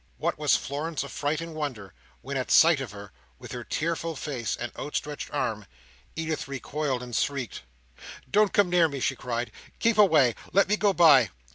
What was Florence's affright and wonder when, at sight of her, with her tearful face, and outstretched arms, Edith recoiled and shrieked! "Don't come near me!" she cried. "Keep away! Let me go by!"